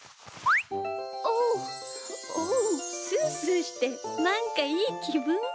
おっおうスースーしてなんかいいきぶん。